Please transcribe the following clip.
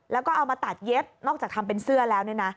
แล้วก็เอามาตัดเย็บนอกจากทำเป็นเสื้อแล้วเนี่ยนะ